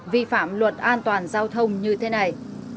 vi phạm luật an toàn giao thông như thế này